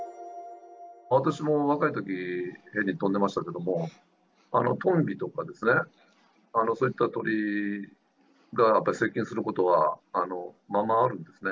私も若いとき、ヘリ飛んでましたけど、トンビとかですね、そういった鳥がやっぱり接近することは間々あるんですね。